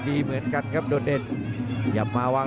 ดีเหมือนกันครับโดดเดชน์